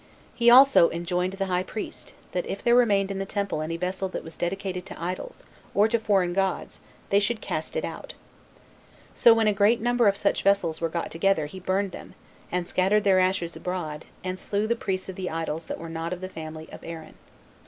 He also enjoined the high priest, that if there remained in the temple any vessel that was dedicated to idols, or to foreign gods, they should cast it out. So when a great number of such vessels were got together, he burnt them, and scattered their ashes abroad, and slew the priests of the idols that were not of the family of Aaron.